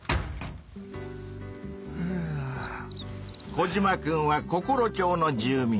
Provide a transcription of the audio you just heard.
コジマくんはココロ町の住民。